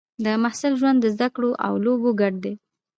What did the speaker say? د محصل ژوند د زده کړې او لوبو ګډ دی.